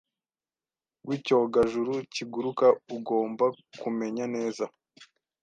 wicyogajuru kiguruka ugomba kumenya neza